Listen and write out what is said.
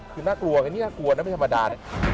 คือน่ากลัวอันนี้น่ากลัวน่าเป็นธรรมดา